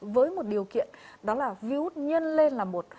với một điều kiện đó là viếu hút nhân lên là một